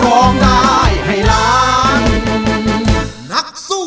โอ้โห